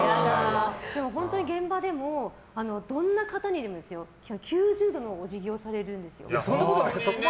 本当に現場でもどんな方にでも９０度のお辞儀をされるんですよ。